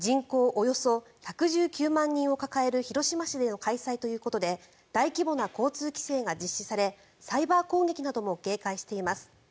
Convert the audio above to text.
およそ１１９万人を抱える広島市での開催ということで大規模な交通規制が実施されサイバー攻撃なども警戒しています。